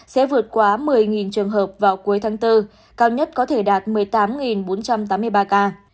sẽ vượt quá một mươi trường hợp vào cuối tháng bốn cao nhất có thể đạt một mươi tám bốn trăm tám mươi ba ca